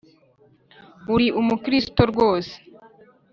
uri umukristo rwose.